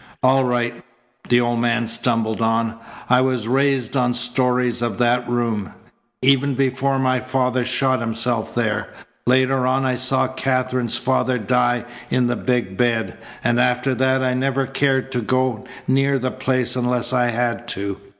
"All right," the old man stumbled on. "I was raised on stories of that room even before my father shot himself there. Later on I saw Katherine's father die in the big bed, and after that I never cared to go near the place unless I had to.